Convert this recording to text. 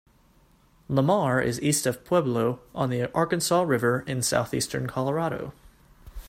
Lamar is east of Pueblo, on the Arkansas River in southeastern Colorado.